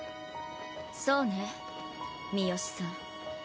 そうね三好さん。